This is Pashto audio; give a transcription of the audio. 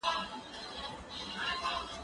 سندري واوره!!